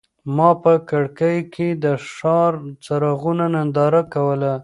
ما په کړکۍ کې د ښار د څراغونو ننداره کوله.